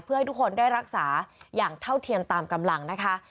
เพื่อให้ทุกคนได้รักษาอย่างเท่าเทียมตามกำลังนะคะ